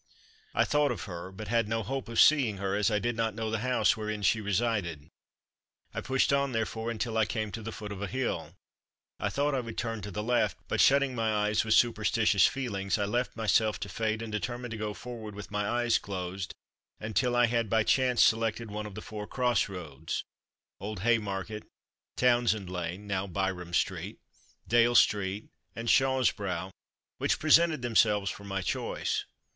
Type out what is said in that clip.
I thought of her, but had no hope of seeing her as I did not know the house wherein she resided. I pushed on, therefore, until I came to the foot of a hill; I thought I would turn to the left, but shutting my eyes with superstitious feelings I left myself to fate, and determined to go forward with my eyes closed until I had by chance selected one of the four cross roads [Old Haymarket, Townsend lane (now Byrom street), Dale street, and Shaw's brow] which presented themselves for my choice.